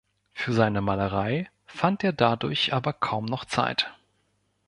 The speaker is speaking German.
Für seine Malerei fand er dadurch aber kaum noch Zeit.